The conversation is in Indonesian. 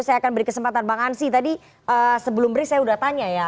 saya akan beri kesempatan bang ansi tadi sebelum beri saya sudah tanya ya